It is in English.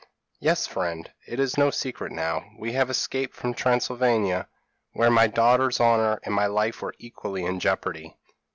p> "'Yes, friend, it is no secret now; we have escaped from Transylvania, where my daughter's honour and my life were equally in jeopardy!'